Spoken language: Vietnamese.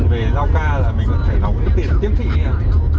về giao ca là mình vẫn phải đóng cái tiền tiêm thị đi ạ